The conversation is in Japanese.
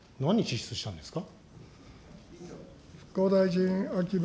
何に支出したんですか。